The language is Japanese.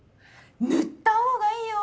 塗った方がいいよ。